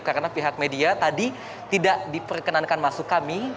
karena pihak media tadi tidak diperkenankan masuk kami